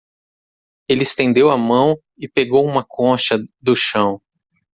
Ele estendeu a mão e pegou uma concha do chão.